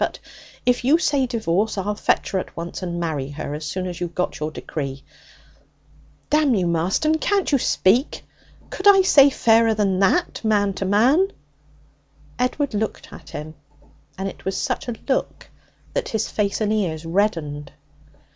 But if you say divorce, I'll fetch her at once, and marry her as soon as you've got your decree. Damn you, Marston! Can't you speak? Could I say fairer than that, man to man?' Edward looked at him, and it was such a look that his face and ears reddened.